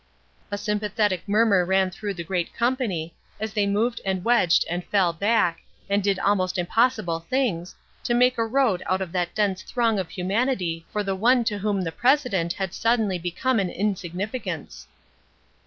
'" A sympathetic murmur ran through the great company, as they moved and wedged and fell back, and did almost impossible things, to make a road out of that dense throng of humanity for the one to whom the president had suddenly become an insignificance.